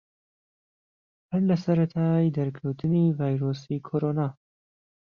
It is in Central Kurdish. هەر لە سەرەتای دەرکەوتنی ڤایرۆسی کۆرۆنا